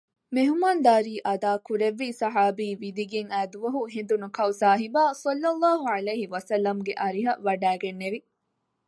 މެހުމާންދާރީ އަދާކުރެއްވި ޞަޙާބީ ވިދިގެން އައިދުވަހު ހެނދުނު ކައުސާހިބާ ޞައްލަﷲ ޢަލައިހި ވަސައްލަމަގެ އަރިހަށް ވަޑައިގެންނެވި